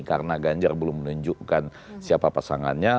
karena ganjar belum menunjukkan siapa pasangannya